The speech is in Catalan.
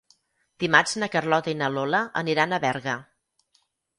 Dimarts na Carlota i na Lola aniran a Berga.